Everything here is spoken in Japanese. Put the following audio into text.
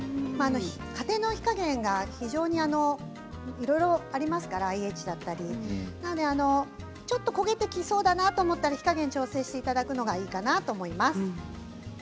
家庭の火加減が非常にいろいろありますからＩＨだったりちょっと焦げてきそうだなと思ったら、火加減を調整していただくのがいいかなと思います。